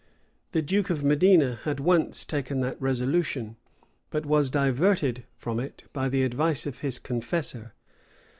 The duke of Medina had once taken that resolution, but was diverted from it by the advice of his confessor.